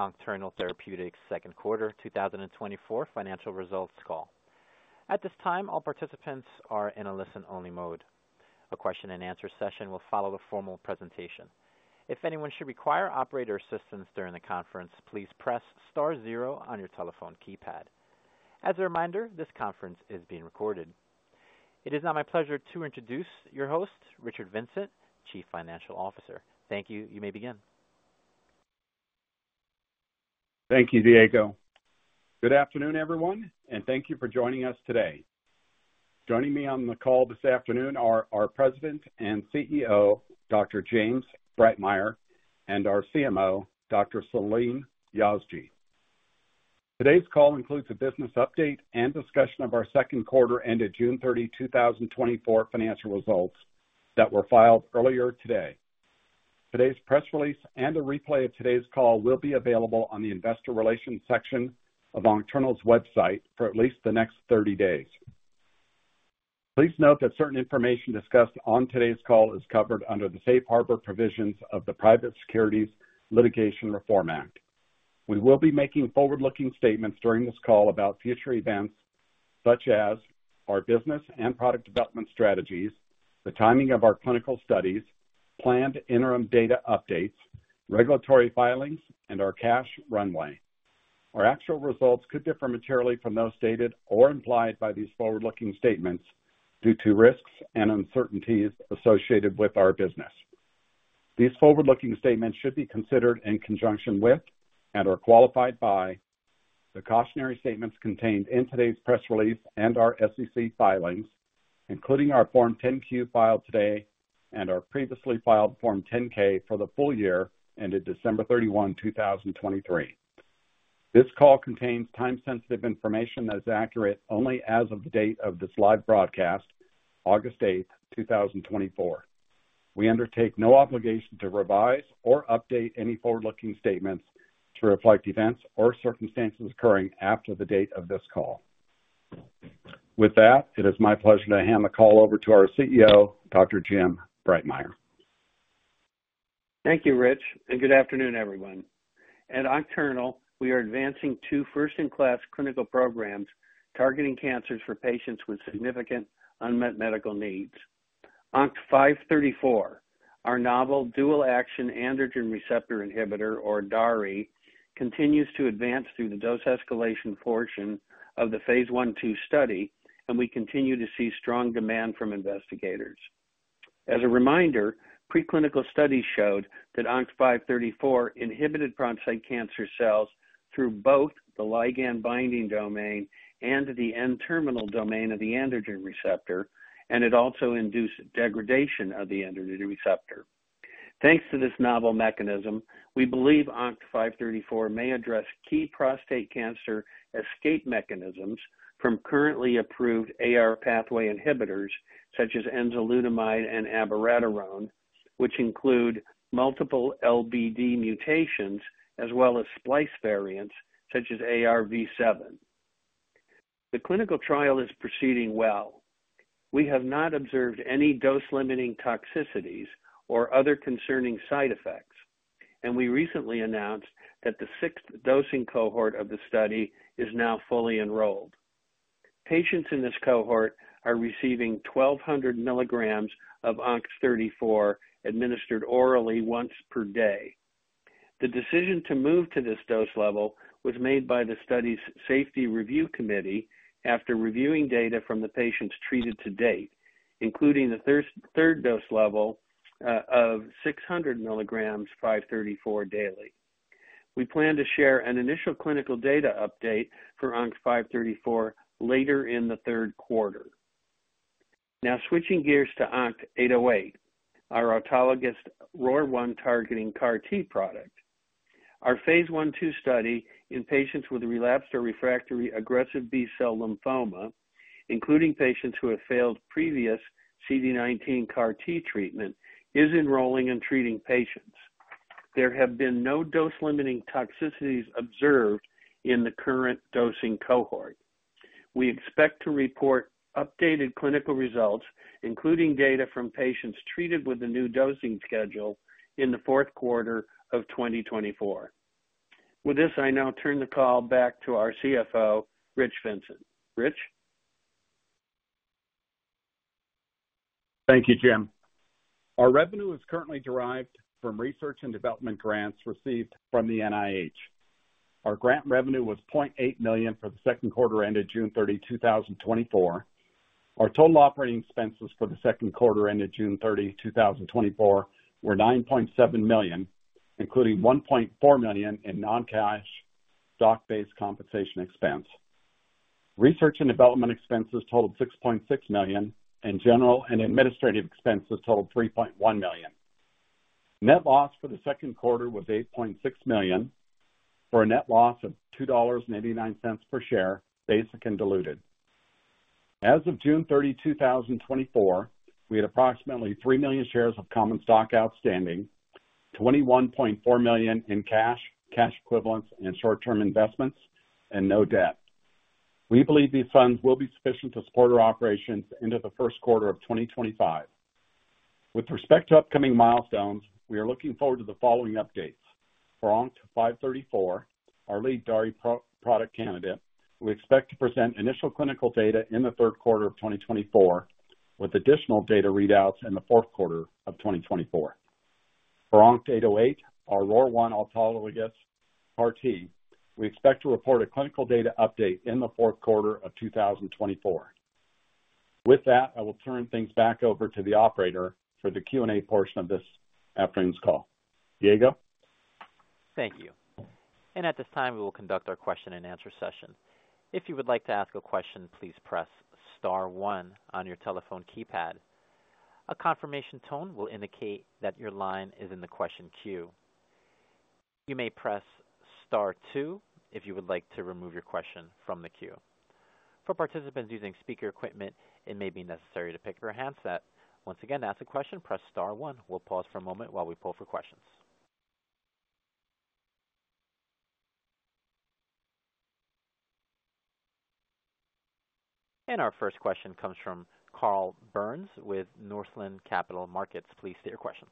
The Oncternal Therapeutics second quarter 2024 financial results call. At this time, all participants are in a listen-only mode. A question-and-answer session will follow the formal presentation. If anyone should require operator assistance during the conference, please press star zero on your telephone keypad. As a reminder, this conference is being recorded. It is now my pleasure to introduce your host, Richard Vincent, Chief Financial Officer. Thank you. You may begin. Thank you, Diego. Good afternoon, everyone, and thank you for joining us today. Joining me on the call this afternoon are our President and CEO, Dr. James Breitmeyer, and our CMO, Dr. Salim Yazji. Today's call includes a business update and discussion of our second quarter ended June 30, 2024 financial results that were filed earlier today. Today's press release and a replay of today's call will be available on the Investor Relations section of Oncternal's website for at least the next 30 days. Please note that certain information discussed on today's call is covered under the safe harbor provisions of the Private Securities Litigation Reform Act. We will be making forward-looking statements during this call about future events, such as our business and product development strategies, the timing of our clinical studies, planned interim data updates, regulatory filings, and our cash runway. Our actual results could differ materially from those stated or implied by these forward-looking statements due to risks and uncertainties associated with our business. These forward-looking statements should be considered in conjunction with and are qualified by the cautionary statements contained in today's press release and our SEC filings, including our Form 10-Q filed today and our previously filed Form 10-K for the full year ended December 31, 2023. This call contains time-sensitive information that is accurate only as of the date of this live broadcast, August 8, 2024. We undertake no obligation to revise or update any forward-looking statements to reflect events or circumstances occurring after the date of this call. With that, it is my pleasure to hand the call over to our CEO, Dr. Jim Breitmeyer. Thank you, Rich, and good afternoon, everyone. At Oncternal, we are advancing two first-in-class clinical programs targeting cancers for patients with significant unmet medical needs. ONCT-534, our novel dual-action androgen receptor inhibitor, or DAARI, continues to advance through the dose escalation portion of the phase 1-2 study, and we continue to see strong demand from investigators. As a reminder, preclinical studies showed that ONCT-534 inhibited prostate cancer cells through both the ligand binding domain and the N-terminal domain of the androgen receptor, and it also induced degradation of the androgen receptor. Thanks to this novel mechanism, we believe ONCT-534 may address key prostate cancer escape mechanisms from currently approved AR pathway inhibitors, such as enzalutamide and abiraterone, which include multiple LBD mutations as well as splice variants such as AR-V7. The clinical trial is proceeding well. We have not observed any dose-limiting toxicities or other concerning side effects, and we recently announced that the sixth dosing cohort of the study is now fully enrolled. Patients in this cohort are receiving 1,200 milligrams of ONCT-534, administered orally once per day. The decision to move to this dose level was made by the study's Safety Review Committee after reviewing data from the patients treated to date, including the third dose level of 600 milligrams ONCT-534 daily. We plan to share an initial clinical data update for ONCT-534 later in the third quarter. Now switching gears to ONCT-808, our autologous ROR1 targeting CAR-T product. Our phase 1-2 study in patients with relapsed or refractory aggressive B-cell lymphoma, including patients who have failed previous CD19 CAR-T treatment, is enrolling and treating patients. There have been no dose-limiting toxicities observed in the current dosing cohort. We expect to report updated clinical results, including data from patients treated with the new dosing schedule, in the fourth quarter of 2024. With this, I now turn the call back to our CFO, Rich Vincent. Rich? Thank you, Jim. Our revenue is currently derived from research and development grants received from the NIH. Our grant revenue was $0.8 million for the second quarter ended June 30, 2024. Our total operating expenses for the second quarter ended June 30, 2024, were $9.7 million, including $1.4 million in non-cash stock-based compensation expense. Research and development expenses totaled $6.6 million, and general and administrative expenses totaled $3.1 million. Net loss for the second quarter was $8.6 million, for a net loss of $2.89 per share, basic and diluted. As of June 30, 2024, we had approximately 3 million shares of common stock outstanding, $21.4 million in cash, cash equivalents, and short-term investments, and no debt. We believe these funds will be sufficient to support our operations into the first quarter of 2025. With respect to upcoming milestones, we are looking forward to the following updates. For ONCT-534, our lead DAARI product candidate, we expect to present initial clinical data in the third quarter of 2024, with additional data readouts in the fourth quarter of 2024. For ONCT-808, our ROR1 autologous CAR-T, we expect to report a clinical data update in the fourth quarter of 2024. With that, I will turn things back over to the operator for the Q&A portion of this afternoon's call. Diego? Thank you. At this time, we will conduct our question-and-answer session. If you would like to ask a question, please press star one on your telephone keypad. A confirmation tone will indicate that your line is in the question queue. You may press star two if you would like to remove your question from the queue. For participants using speaker equipment, it may be necessary to pick your handset. Once again, to ask a question, press star one. We'll pause for a moment while we pull for questions. Our first question comes from Carl Byrnes with Northland Capital Markets. Please state your question.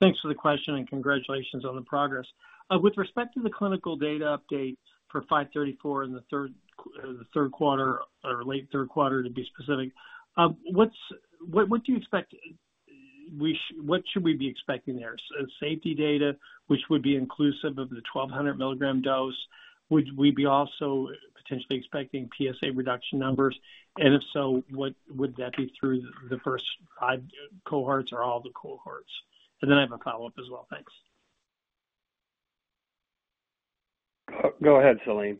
Thanks for the question and congratulations on the progress. With respect to the clinical data update for ONCT-534 in the third quarter or late third quarter, to be specific, what do you expect? What should we be expecting there? So safety data, which would be inclusive of the 1,200 milligram dose. Would we be also potentially expecting PSA reduction numbers? And if so, would that be through the first 5 cohorts or all the cohorts? And then I have a follow-up as well. Thanks. Go, go ahead, Salim.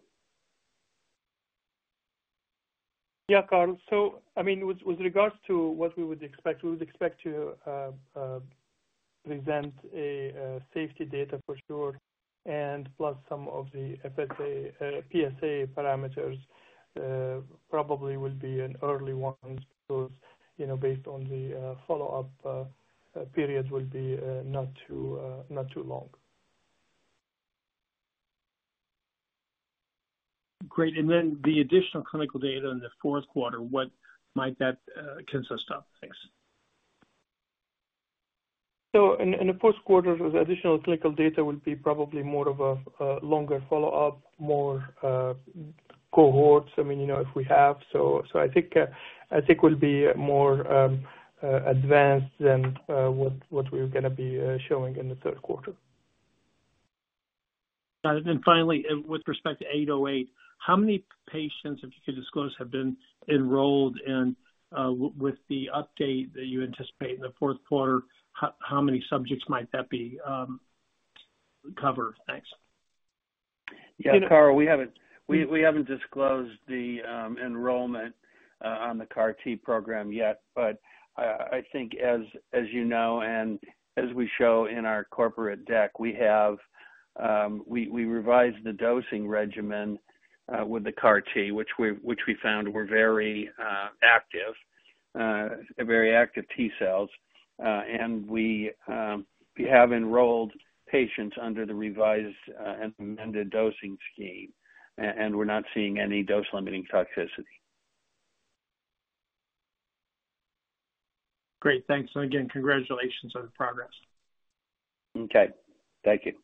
Yeah, Carl. So, I mean, with regards to what we would expect, we would expect to present a safety data for sure, and plus some of the PSA parameters, probably will be an early one, because, you know, based on the follow-up period will be not too, not too long. Great. And then the additional clinical data in the fourth quarter, what might that consist of? Thanks. So in the fourth quarter, the additional clinical data will be probably more of a longer follow-up, more cohorts, I mean, you know, if we have. So I think I think we'll be more advanced than what what we're gonna be showing in the third quarter. And then finally, with respect to 808, how many patients, if you could disclose, have been enrolled and with the update that you anticipate in the fourth quarter, how many subjects might that be, cover? Thanks. Yeah, Carl, we haven't disclosed the enrollment on the CAR T program yet, but I think as you know, and as we show in our corporate deck, we have revised the dosing regimen with the CAR T, which we found were very active T-cells. And we have enrolled patients under the revised and amended dosing scheme, and we're not seeing any dose-limiting toxicity. Great, thanks. And again, congratulations on the progress. Okay, thank you.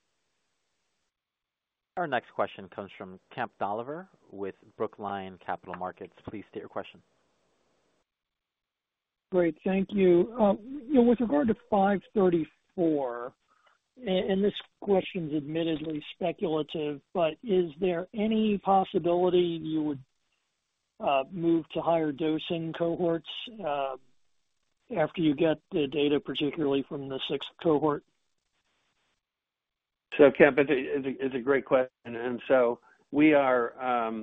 Our next question comes from Kemp Dolliver with Brookline Capital Markets. Please state your question. Great, thank you. You know, with regard to 534, and this question's admittedly speculative, but is there any possibility you would move to higher dosing cohorts after you get the data, particularly from the sixth cohort? So, Kemp, it's a great question, and so we are,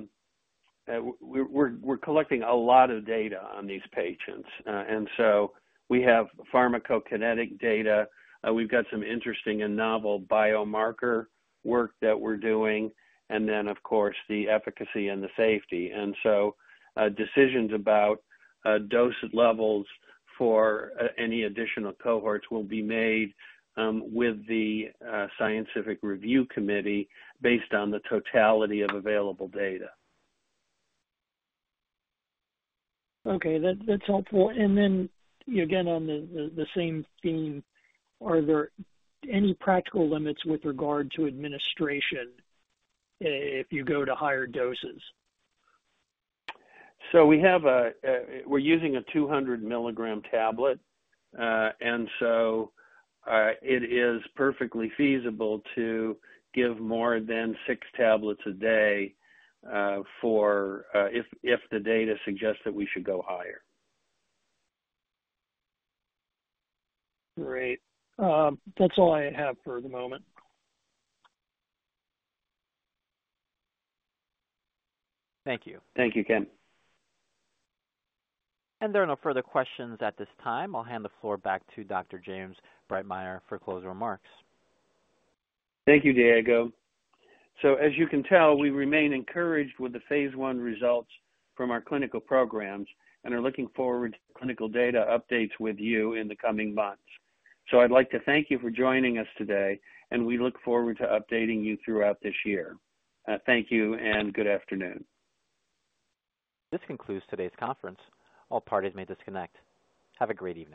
we're collecting a lot of data on these patients. And so we have pharmacokinetic data. We've got some interesting and novel biomarker work that we're doing, and then, of course, the efficacy and the safety. And so, decisions about dosage levels for any additional cohorts will be made with the Scientific Review Committee based on the totality of available data. Okay, that's helpful. And then, again, on the same theme, are there any practical limits with regard to administration if you go to higher doses? We have, we're using a 200 milligram tablet, and so it is perfectly feasible to give more than 6 tablets a day for if the data suggests that we should go higher. Great. That's all I have for the moment. Thank you. Thank you, Kemp. There are no further questions at this time. I'll hand the floor back to Dr. James Breitmeyer for closing remarks. Thank you, Diego. So as you can tell, we remain encouraged with the phase 1 results from our clinical programs and are looking forward to clinical data updates with you in the coming months. So I'd like to thank you for joining us today, and we look forward to updating you throughout this year. Thank you and good afternoon. This concludes today's conference. All parties may disconnect. Have a great evening.